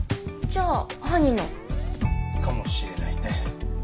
じゃあ犯人の？かもしれないね。